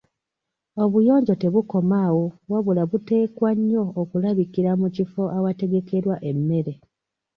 Obuyonjo tebukoma awo wabula buteekwa nnyo okulabikira mu kifo awategekerwa emmere.